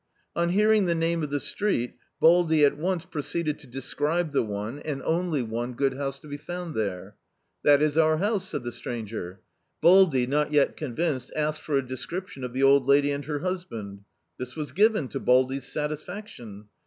On hearing the name of the street Baldy at once proceeded to describe the one — and only one D,i.,.db, Google A Tramp's Summer Vacation — good house to be found dierc : "That is our house," said the stranger. Baldy, not yet convinced, asked for a description of the old lady and her husband. This was given^ to Baldy*s satisfaction.